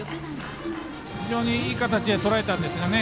非常にいい形でとらえたんですけどね。